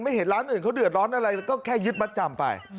เห็นร้านอื่นเขาเดือดร้อนอะไรก็แค่ยึดมัดจำไป